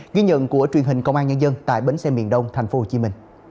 ghi nhận của truyền hình công an nhân dân tại bến xe miền đông tp hcm